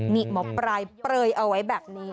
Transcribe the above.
นี่หมอปลายเปลยเอาไว้แบบนี้